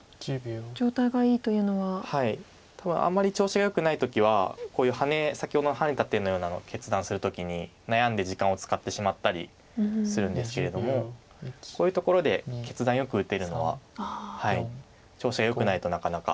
多分あんまり調子がよくない時はこういうハネ先ほどのハネた手のようなのを決断する時に悩んで時間を使ってしまったりするんですけれどもこういうところで決断よく打てるのは調子がよくないとなかなか。